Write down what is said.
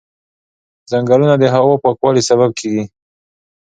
ځنګلونه د هوا پاکوالي سبب کېږي.